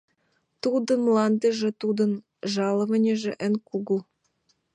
Тудын мландыже, тудын жалованьыже эн кугу...»